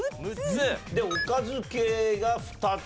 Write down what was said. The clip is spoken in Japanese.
おかず系が２つ。